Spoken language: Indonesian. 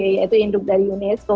yaitu induk dari unesco